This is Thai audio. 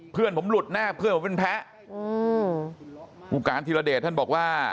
เพื่อนผมหลุดแน่เพื่อนผมเป็นแพ้อืมผู้การธิรเดชท่านบอกว่า